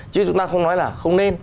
chứ chúng ta không nói là không nên